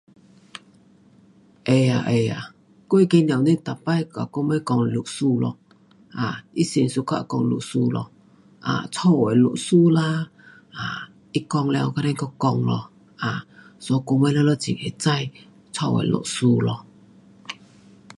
会的，会的，我那个母亲每次跟我们讲历史咯。um 她是 suka 讲历史咯。um 家的历史啦，um 她讲了等下又讲咯。um so 我寥寥很知道家的历史咯。